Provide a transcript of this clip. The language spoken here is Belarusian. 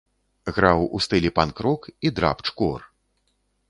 Граў у стылі панк-рок і драбч-кор.